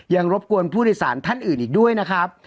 รบกวนผู้โดยสารท่านอื่นอีกด้วยนะครับ